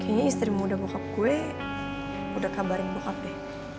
ini istri muda bokap gue udah kabarin bokap deh